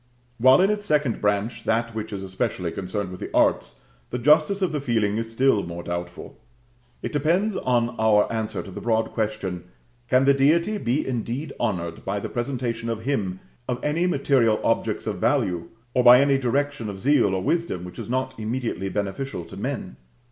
While in its second branch, that which is especially concerned with the arts, the justice of the feeling is still more doubtful; it depends on our answer to the broad question, Can the Deity be indeed honored by the presentation to Him of any material objects of value, or by any direction of zeal or wisdom which is not immediately beneficial to men?